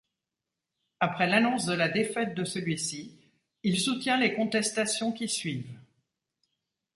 Après l'annonce de la défaite de celui-ci, il soutient les contestations qui suivent.